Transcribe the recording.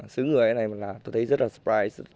xứng người thế này là tôi thấy rất là surprise